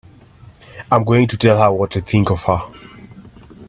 I'm going to tell her what I think of her!